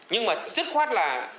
nhưng mà sức khoát là